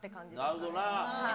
なるほどな。